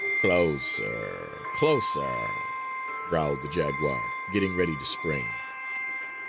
"Closer, closer," growled the jaguar, getting ready to spring.